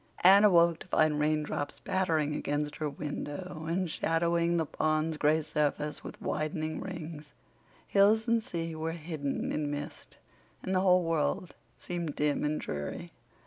Anne awoke to find raindrops pattering against her window and shadowing the pond's gray surface with widening rings; hills and sea were hidden in mist, and the whole world seemed dim and dreary.